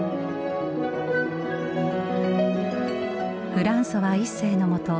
フランソワ一世のもと